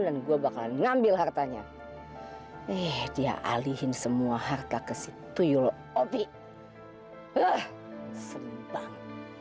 dan gua bakalan ngambil hartanya eh dia alihi semua harta ke situ yuk opik sang